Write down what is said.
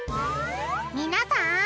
みなさん！